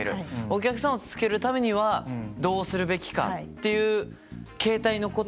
お客さんをつけるためにはどうするべきかっていう形態のことですよね？